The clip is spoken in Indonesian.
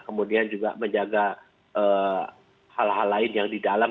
kemudian juga menjaga hal hal lain yang di dalam